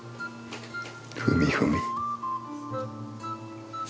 踏み踏み。